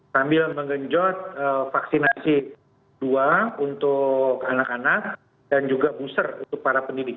sambil mengenjot vaksinasi dua untuk anak anak dan juga booster untuk para pendidik